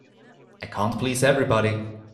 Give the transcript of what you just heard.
I can't please everybody.